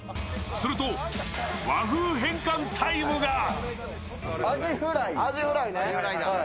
すると、和風変換タイムが。